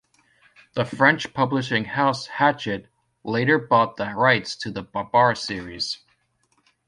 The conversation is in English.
The French publishing house Hachette later bought the rights to the Babar series.